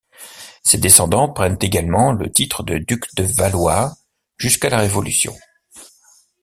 Ses descendants prennent également le titre de duc de Valois jusqu'à la Révolution.